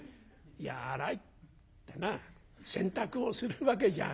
「いや『あらい』ってな洗濯をするわけじゃない。